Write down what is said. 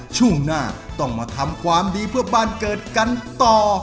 ช่วงหน้าต้องมาทำความดีเพื่อบ้านเกิดกันต่อ